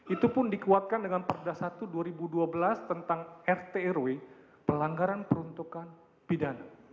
itu pun dikuatkan dengan perda satu dua ribu dua belas tentang rtrw pelanggaran peruntukan pidana